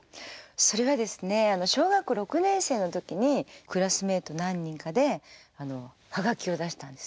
それはですね小学校６年生の時にクラスメート何人かで葉書を出したんです。